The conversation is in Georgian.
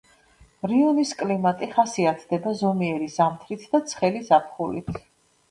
რაიონის კლიმატი ხასიათდება ზომიერი ზამთრით და ცხელი ზაფხულით.